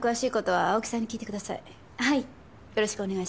はい。